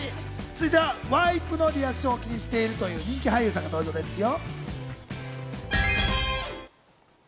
続いてワイプのリアクションを気にしているという人気俳優さんが登場ですよ！